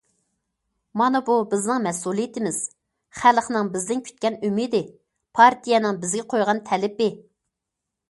مانا بۇ بىزنىڭ مەسئۇلىيىتىمىز، خەلقنىڭ بىزدىن كۈتكەن ئۈمىدى، پارتىيەنىڭ بىزگە قويغان تەلىپى.